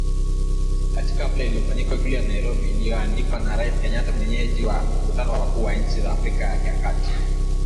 katika hafla iliyofanyika Ikulu ya Nairobi iliyoandaliwa na Rais Kenyatta mwenyeji wa mkutano wa wakuu wa nchi za Afrika ya kati